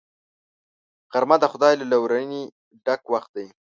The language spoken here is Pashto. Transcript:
غرمه د خدای له لورینې ډک وخت دی